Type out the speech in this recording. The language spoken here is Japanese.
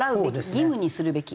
義務にするべき？